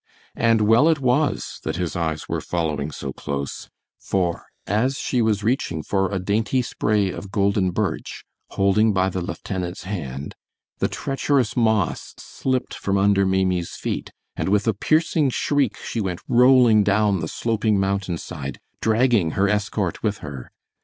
And well it was that his eyes were following so close; for, as she was reaching for a dainty spray of golden birch, holding by the lieutenant's hand, the treacherous moss slipped from under Maimie's feet, and with a piercing shriek she went rolling down the sloping mountain side, dragging her escort with her.